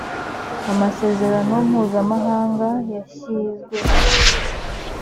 amasezerano mpuzamahanga yashyizweho